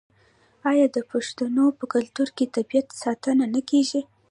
آیا د پښتنو په کلتور کې د طبیعت ساتنه نه کیږي؟